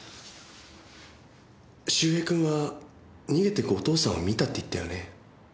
周平君は逃げていくお父さんを見たって言ったよね？